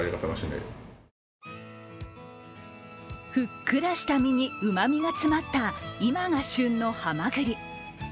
ふっくらした身にうまみが詰まった、今が旬のはまぐり。